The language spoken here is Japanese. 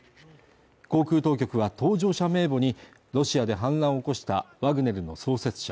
航空当局は搭乗者名簿にロシアで反乱を起こしたワグネルの創設者